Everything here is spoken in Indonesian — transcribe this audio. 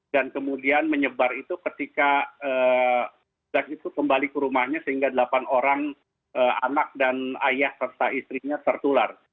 dan kemudian menyebar itu ketika petugas itu kembali ke rumahnya sehingga delapan orang anak dan ayah serta istrinya tertular